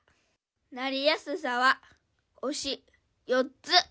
なりやすさは星４つ。